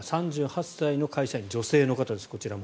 ３８歳の会社員、女性の方です。